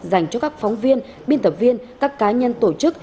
dành cho các phóng viên biên tập viên các cá nhân tổ chức